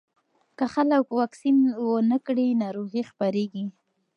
که خلک واکسین ونه کړي، ناروغي خپرېږي.